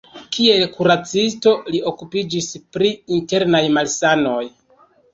Kiel kuracisto li okupiĝis pri internaj malsanoj.